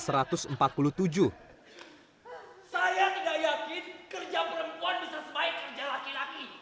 saya tidak yakin kerja perempuan bisa sebaik kerja laki laki